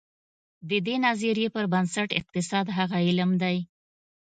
د دې نظریې پر بنسټ اقتصاد هغه علم دی.